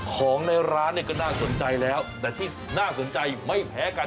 ของในร้านเนี่ยก็น่าสนใจแล้วแต่ที่น่าสนใจไม่แพ้กัน